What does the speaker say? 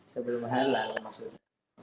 sebelum halal maksudnya